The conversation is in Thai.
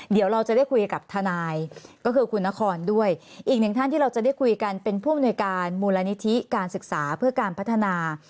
เดี๋ยวเราจะได้คุยกับทนายก็คือคุณนครด้วยอีกหนึ่งท่านที่เราจะได้คุยกันเป็นผู้อำนวยการมูลนิธิการศึกษาเพื่อการพัฒนา